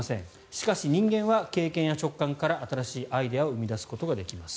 しかし、人間は経験や直感から新しいアイデアを生み出すことができます。